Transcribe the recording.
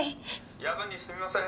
「夜分にすみません。